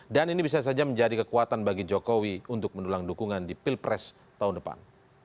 dan ini bisa saja menjadi kekuatan bagi jokowi untuk menulang dukungan di pilpres tahun depan